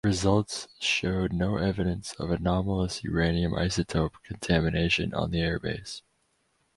Results showed no evidence of anomalous Uranium isotope contamination on the Airbase.